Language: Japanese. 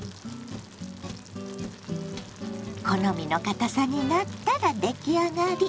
好みのかたさになったら出来上がり。